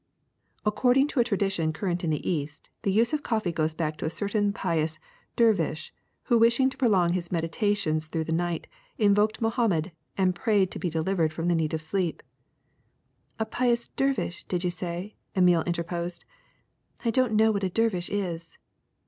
"According to a tradition current in the East, the use of coffee goes back to a certain pious dervish who, wisliing to prolong his meditations through the night, invoked Mohammed and prayed to be delivered from the need of sleep." "A pious dervish, did you say?" Emile interposed. "I don't know what a dervish is."